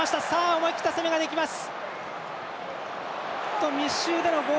思い切った攻めができます！